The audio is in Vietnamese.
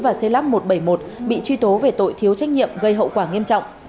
và xây lắp một trăm bảy mươi một bị truy tố về tội thiếu trách nhiệm gây hậu quả nghiêm trọng